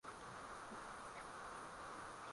ila Mogadishu mwaka elfu moja mia tisa ishirini na nne